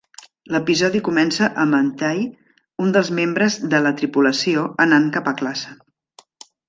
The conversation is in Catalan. L'episodi comença amb en Ty, un dels membres de la tripulació, anant cap a classe.